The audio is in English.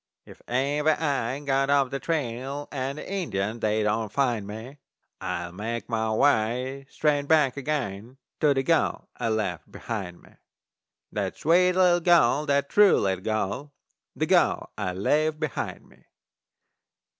If ever I get off the trail And the Indians they don't find me, I'll make my way straight back again To the gal I left behind me. That sweet little gal, that true little gal, The gal I left behind me!